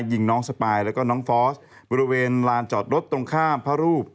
ยิงน้องสปายแล้วก็น้องฟอสบริเวณลานจอดรถตรงข้ามพระรูป